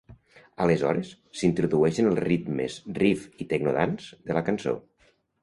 Aleshores, s'introdueixen els ritmes riff i tecno-dance de la cançó